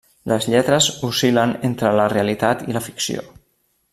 Les lletres oscil·len entre la realitat i la ficció.